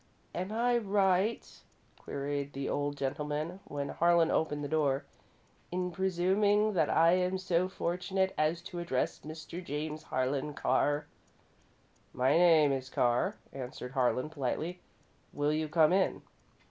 "Am I right," queried the old gentleman, when Harlan opened the door, "in presuming that I am so fortunate as to address Mr. James Harlan Carr?" "My name is Carr," answered Harlan, politely. "Will you come in?"